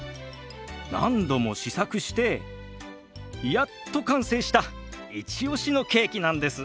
何度も試作してやっと完成したイチオシのケーキなんです。